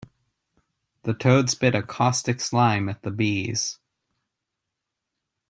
The toad spit a caustic slime at the bees.